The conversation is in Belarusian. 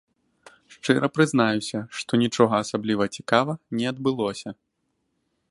Шчыра прызнаюся, што нічога асабліва цікава не адбылося.